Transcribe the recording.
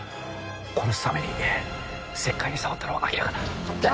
殺すために石灰に触ったのは明らかだ。